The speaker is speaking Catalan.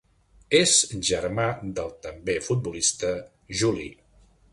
És germà del també futbolista Juli.